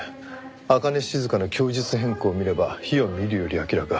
朱音静の供述変更を見れば火を見るより明らか。